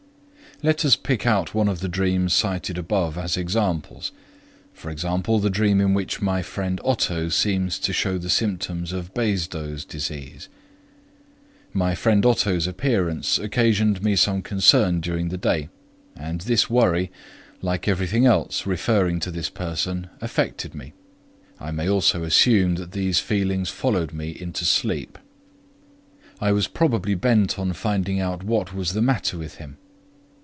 Let us pick out one of the dreams cited above as examples, e.g., the dream in which my friend Otto seems to show the symptoms of Basedow's disease. My friend Otto's appearance occasioned me some concern during the day, and this worry, like everything else referring to this person, affected me. I may also assume that these feelings followed me into sleep. I was probably bent on finding out what was the matter with him.